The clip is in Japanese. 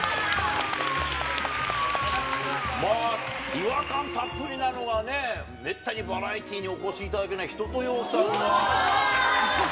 違和感たっぷりなのはね、めったにバラエティにお越しいただけない一青窈さんが。